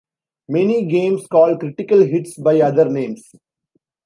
Many games call critical hits by other names.